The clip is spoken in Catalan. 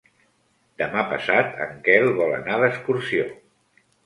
Demà passat en Quel vol anar d'excursió.